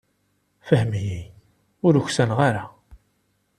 Fhem-iyi, ur uksaneɣ ara.